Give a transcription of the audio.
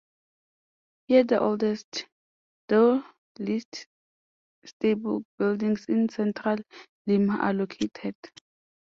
Here the oldest, though least stable, buildings in Central Lima are located.